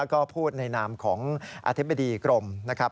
ก็พูดในนามของอธิบดีกรมนะครับ